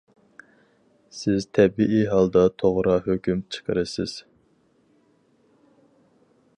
سىز تەبىئىي ھالدا توغرا ھۆكۈم چىقىرىسىز.